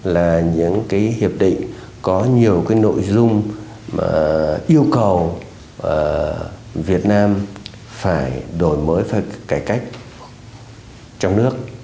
là những cái hiệp định có nhiều cái nội dung yêu cầu việt nam phải đổi mới và cải cách trong nước